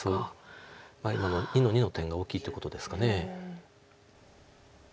今の２の二の点が大きいということですか。